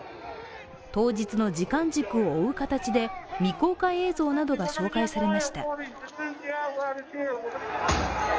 当日の時間軸を追う形で未公開映像などが紹介されました。